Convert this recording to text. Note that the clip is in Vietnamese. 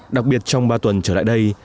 đặc biệt trong ba tuần trở lại đây